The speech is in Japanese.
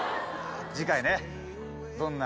次回ね。